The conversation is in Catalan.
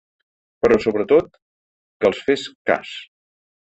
Però, sobretot, que els fes cas.